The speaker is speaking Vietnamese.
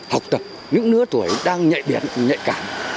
học tập những nửa tuổi đang nhạy biệt nhạy cảm